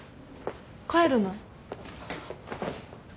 帰るの？